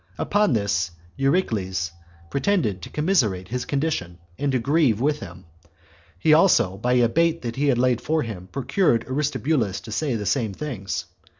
Upon this Eurycles pretended to commiserate his condition, and to grieve with him. He also, by a bait that he laid for him, procured Aristobulus to say the same things.